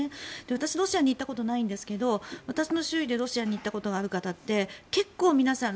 私、ロシアに行ったことないんですけど私の周囲でロシアに行ったことがある方って結構、皆さん